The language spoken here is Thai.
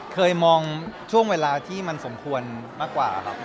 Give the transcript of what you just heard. เคยมองช่วงเวลาที่มันสมควรมากกว่าครับ